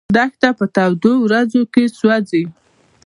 دښته په تودو ورځو کې سوځي.